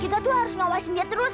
kita tuh harus ngawasin dia terus